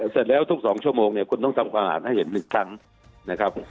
เสร็จแล้วทุก๒ชั่วโมงเนี่ยคุณต้องทำความสะอาดให้เห็น๑ครั้งนะครับ